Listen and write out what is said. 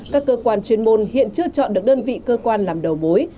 các cơ quan chuyên môn hiện chưa chọn được đơn vị cơ quan làm đầu mối